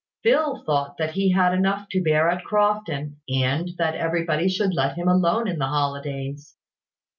Phil thought he had enough to bear at Crofton, end that everybody should let him alone in the holidays.